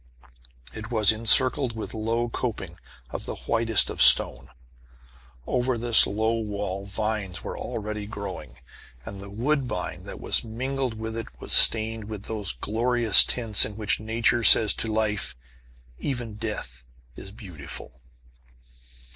It was encircled with a low coping of the whitest of stone. Over this low wall vines were already growing, and the woodbine that was mingled with it was stained with those glorious tints in which Nature says to life, "Even death is beautiful."